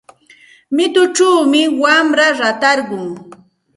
Mituchawmi wamra ratarqun.